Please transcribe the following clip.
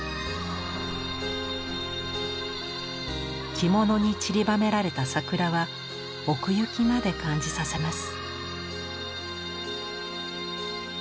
着物にちりばめられた桜は奥行きまで感じさせます。